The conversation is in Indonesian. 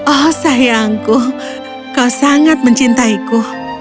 oh sayangku kau sangat mencintaiku